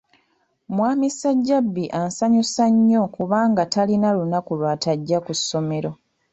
Mwami Sajjabbi ansanyusa nnyo kubanga talina lunaku lwatajja ku ssomero.